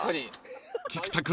［菊田君